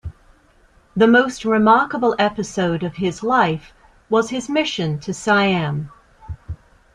The most remarkable episode of his life was his mission to Siam.